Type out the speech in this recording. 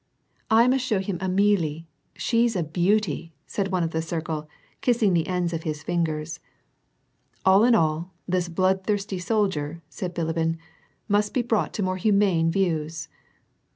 " I must show him Amelie, she's a beauty !" said one of the circle, kissing the ends of his fingers. " All in all, this bloodthirsty soldier," said Bilibin, "must be brought to more humane views."